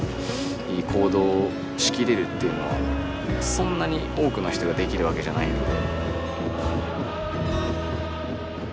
そんなに多くの人ができるわけじゃないので。